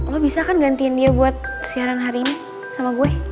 lo bisa kan gantiin dia buat siaran hari ini sama gue